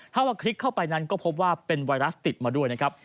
ถ้าว่าคลิกเข้าไปนั้นก็พบว่าเป็นไวรัสติดมาด้วยนะครับ